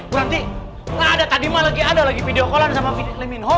buranti gak ada tadi mah lagi ada lagi video callan sama li minho